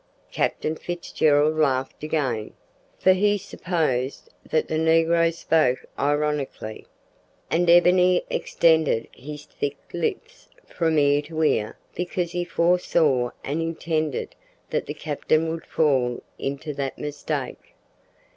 Captain Fitzgerald laughed again, for he supposed that the negro spoke ironically, and Ebony extended his thick lips from ear to ear because he foresaw and intended that the captain would fall into that mistake.